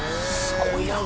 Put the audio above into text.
すごいな。